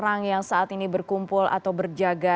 orang yang saat ini berkumpul atau berjaga